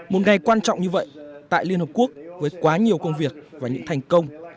một ngày quan trọng như vậy tại liên hợp quốc với quá nhiều công việc và những thành công